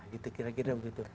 gitu kira kira begitu